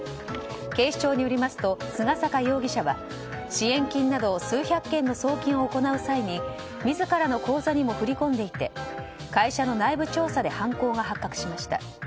警視庁によりますと菅坂容疑者は支援金など数百件の送金を行う際に自らの口座にも振り込んでいて会社の内部調査で犯行が発覚しました。